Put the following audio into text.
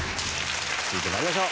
続いて参りましょう。